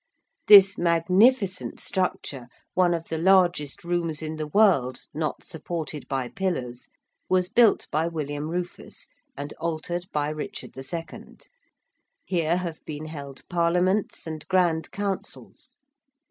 This magnificent structure, one of the largest rooms in the world not supported by pillars, was built by William Rufus, and altered by Richard II. Here have been held Parliaments and Grand Councils.